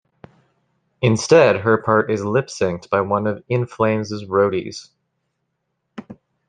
Instead, her part is lipsync'd by one of In Flames' roadies.